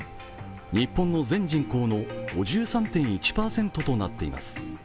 日本の全人口の５３．１％となっています。